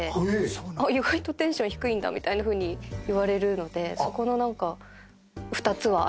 あっ意外とテンション低いんだみたいなふうに言われるのでそこの何か２つはありますね。